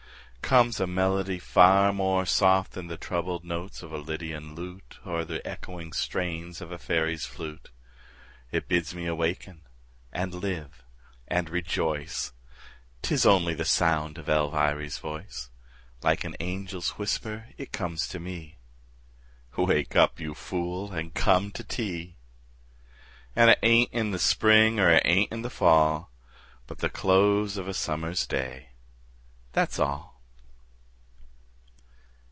comes a melody far more soft Than the troubled notes of a lydian lute Or the echoing strains of a fairy's flute; It bids me awaken and live and rejoice, 'Tis only the sound of Elviry's voice Like an angel's whisper it comes to me: "Wake up, you fool, and come to tea." An' it ain't in the spring er it ain't in the fall, But the close of a summer's day, That's all.